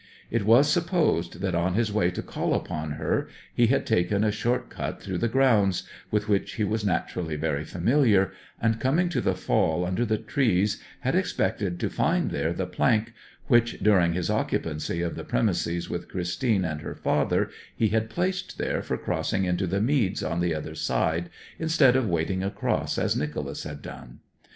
It was supposed that, on his way to call upon her, he had taken a short cut through the grounds, with which he was naturally very familiar, and coming to the fall under the trees had expected to find there the plank which, during his occupancy of the premises with Christine and her father, he had placed there for crossing into the meads on the other side instead of wading across as Nicholas had done.